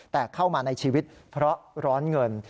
แต่เข้ามาในชีวิตเพราะร้อนเงิน